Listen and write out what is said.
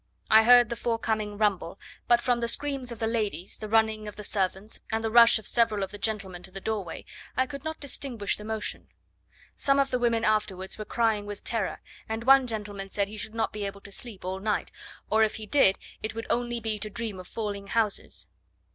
I heard the forecoming rumble, but from the screams of the ladies, the running of the servants, and the rush of several of the gentlemen to the doorway, I could not distinguish the motion. Some of the women afterwards were crying with terror, and one gentleman said he should not be able to sleep all night, or if he did, it would only be to dream of falling houses.